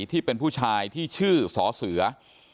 ที่เป็นผู้ชายที่ชื่อสอเสือ